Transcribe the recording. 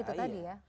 itu tadi ya